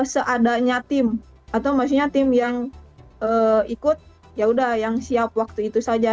seadanya tim atau maksudnya tim yang ikut yaudah yang siap waktu itu saja